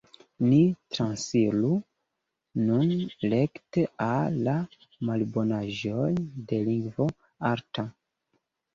Ni transiru nun rekte al la malbonaĵoj de lingvo arta.